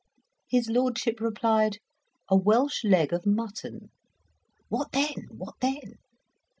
His lordship replied, "A Welsh leg of mutton." "What then what then?"